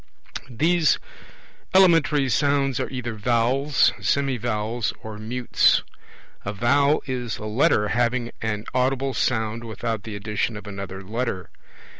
These elementary sounds are either vowels, semivowels, or mutes. A vowel is a Letter having an audible sound without the addition of another Letter.